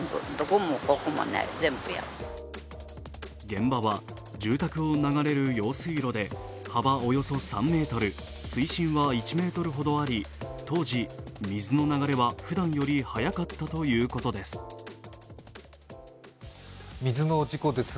現場は住宅を流れる用水路で幅およそ３ｍ、水深は１ｍほどあり当時、水の流れはふだんより速かったということです。